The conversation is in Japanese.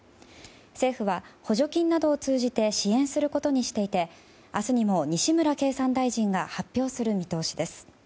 政府は、補助金などを通じて支援することにしていて明日にも西村経産大臣が発表する見通しです。